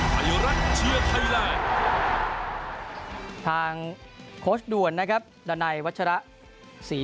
ไทยรักเชื่อไทยรักทางโค้ชด่วนนะครับดันัยวัชระศรี